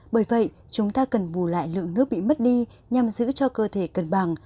bởi vậy chúng ta cần bù lại lượng nước bị mất đi nhằm giữ cho cơ thể cân bằng